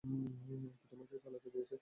আব্বু তোমাকে চালাতে দিয়েছে?